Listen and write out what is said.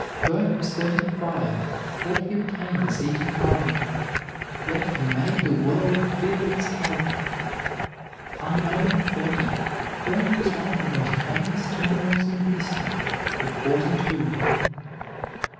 Burke was thirty five before he obtained a seat in Parliament, yet he made the world feel his character. Unknown at forty, Grant was one of the most famous generals in history at forty two.